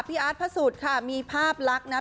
พี่อาร์ดพระสุดค่ะมีภาพลักษณ์นะ